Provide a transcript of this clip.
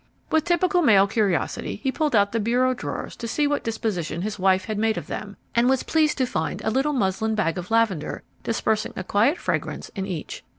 With typical male curiosity he pulled out the bureau drawers to see what disposition his wife had made of them, and was pleased to find a little muslin bag of lavender dispersing a quiet fragrance in each.